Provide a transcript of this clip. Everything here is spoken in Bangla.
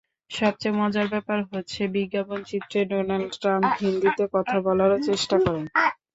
সবচেয়ে মজার ব্যাপার হচ্ছে, বিজ্ঞাপনচিত্রে ডোনাল্ড ট্রাম্প হিন্দিতে কিছু বলারও চেষ্টা করেন।